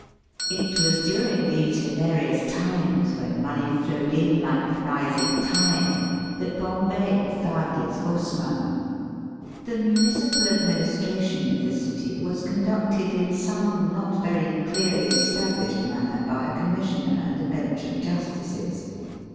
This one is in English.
It was during these hilarious times, when money flowed in like the rising tide, that Bombay found its Hausmann. The municipal administration of the city was conducted in some not very clearly established manner by a Commissioner and a bench of justices.